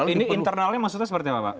ini internalnya maksudnya seperti apa pak